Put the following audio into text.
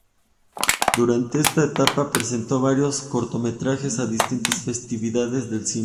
Durante esta etapa, presentó varios cortometrajes a distintos festivales de cine.